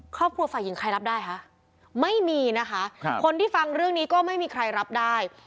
ครอบครัวฝ่ายหญิงใครรับได้คะไม่มีนะคะครับคนที่ฟังเรื่องนี้ก็ไม่มีใครรับได้